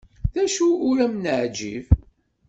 D acu ur am-neεǧib?